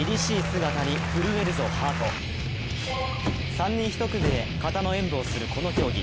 ３人１組で形の演武をするこの競技。